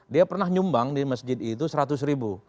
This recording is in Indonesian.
dia pernah nyumbang di masjid itu seratus ribu